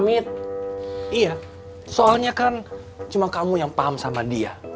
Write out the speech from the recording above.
iya soalnya kan cuma kamu yang paham sama dia